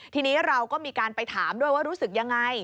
ทีนี้เราก็มีการไปถามด้วยว่ารู้สึกยังไง